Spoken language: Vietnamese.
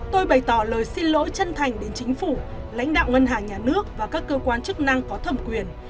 tôi bày tỏ lời xin lỗi chân thành đến chính phủ lãnh đạo ngân hàng nhà nước và các cơ quan chức năng có thẩm quyền